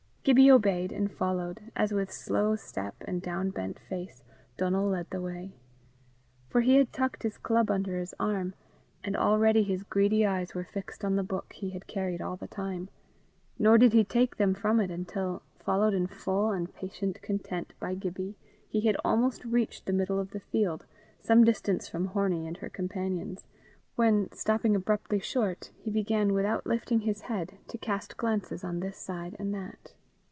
Gibbie obeyed, and followed, as, with slow step and downbent face, Donal led the way. For he had tucked his club under his arm, and already his greedy eyes were fixed on the book he had carried all the time, nor did he take them from it until, followed in full and patient content by Gibbie, he had almost reached the middle of the field, some distance from Hornie and her companions, when, stopping abruptly short, he began without lifting his head to cast glances on this side and that.